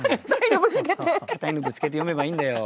硬いのぶつけて詠めばいいんだよ。